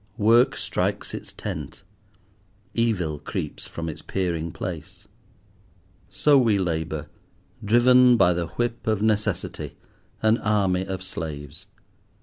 Work strikes its tent. Evil creeps from its peering place. So we labour, driven by the whip of necessity, an army of slaves.